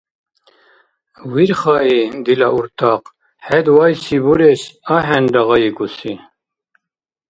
— Вирхаи, дила уртахъ, хӏед вайси бурес ахӏенра гъайикӏуси…